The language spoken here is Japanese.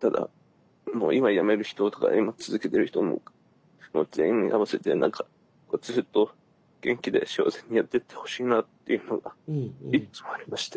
ただもう今辞める人とか今続けてる人ももう全員合わせて何かずっと元気で幸せにやってってほしいなっていうのがいっつもありまして。